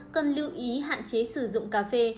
cần lưu ý hạn chế sử dụng cà phê